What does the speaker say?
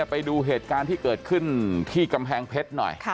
ไปดูเหตุการณ์ที่เกิดขึ้นที่กำแพงเพชรหน่อย